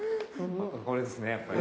これですねやっぱり。